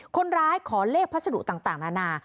ขอเลขพัสดุต่างนานา